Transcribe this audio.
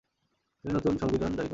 তিনি নতুন সংবিধান জারি করে।